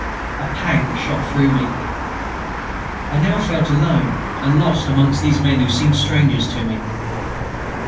A pang shot through me. I now felt alone and lost amongst these men who seemed strangers to me.